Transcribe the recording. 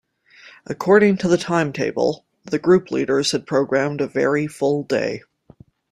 According to the timetable, the group leaders had programmed a very full day.